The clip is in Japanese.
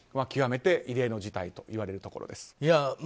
極めて異例の事態といわれるところです。